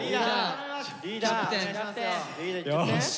よし。